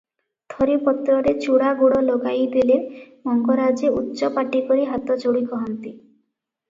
ଥରେ ପତ୍ରରେ ଚୂଡ଼ାଗୁଡ଼ ଲଗାଇ ଦେଲେ ମଙ୍ଗରାଜେ ଉଚ୍ଚପାଟିକରି ହାତ ଯୋଡ଼ି କହନ୍ତି